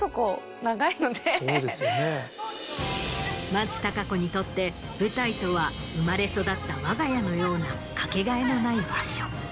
松たか子にとって舞台とは生まれ育ったわが家のようなかけがえのない場所。